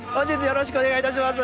よろしくお願いします。